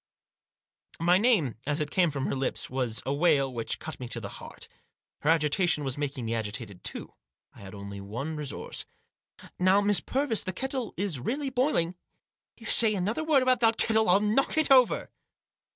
My name, as it came from her lips, was a wail which cut me to the heart. Her agitation was making me agitated too. I had only one resource. " Now, Miss Purvis, this kettle is really boiling." "If you say another word about that kettle I'll knock it over